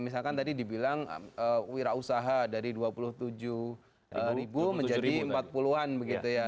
misalkan tadi dibilang wira usaha dari dua puluh tujuh ribu menjadi empat puluh an begitu ya